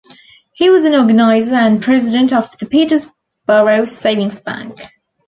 He was an organizer and President of the Peterborough Savings Bank.